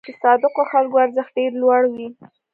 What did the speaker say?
د صادقو خلکو ارزښت ډېر لوړ وي.